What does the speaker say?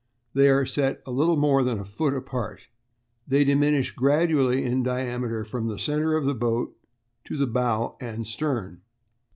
They are set a little more than a foot apart. They diminish gradually in diameter from the centre of the boat to the bow and stern.